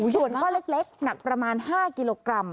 ส่วนข้อเล็กหนักประมาณ๕กิโลกรัม